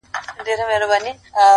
• پر هندو او مسلمان یې سلطنت وو,